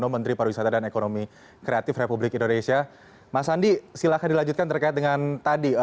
mas aldi silakan dilanjutkan terkait dengan tadi